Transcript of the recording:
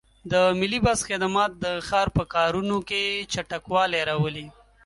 د ملي بس خدمات د ښار په کارونو کې چټکوالی راولي.